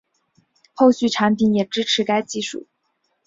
后续产品也支持该技术